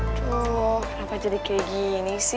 aduh kenapa jadi kayak gini sih